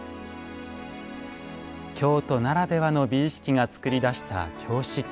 京都ならではの美意識が作り出した京漆器。